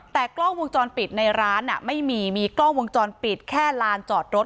แต่กล้องวงจรปิดในร้านไม่มีมีกล้องวงจรปิดแค่ลานจอดรถ